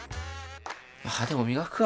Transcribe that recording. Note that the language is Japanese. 歯でも磨くか。